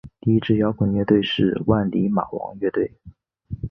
南昌铁路运输中级法院是中华人民共和国江西省的铁路运输中级法院。